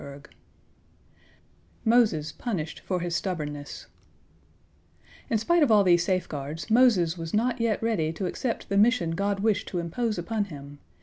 MOSES PUNISHED FOR HIS STUBBORNNESS In spite of all these safeguards, Moses was not yet ready to accept the mission God wished to impose upon him.